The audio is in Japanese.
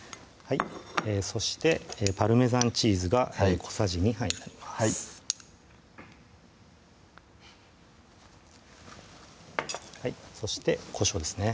そしてパルメザンチーズが小さじ２杯入りますそしてこしょうですね